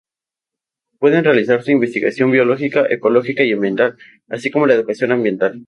Pueden realizarse investigación biológica, ecológica y ambiental, así como la educación ambiental.